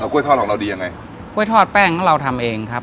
กล้วยทอดของเราดียังไงกล้วยทอดแป้งเราทำเองครับ